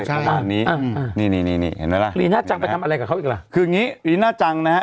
เห็นไหมล่ะลีน่าจังไปทำอะไรกับเขาอีกล่ะคืออย่างงี้ลีน่าจังนะฮะ